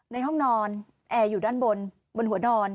ในห้องนอนแอร์อยู่ด้านบนบนหัวนอน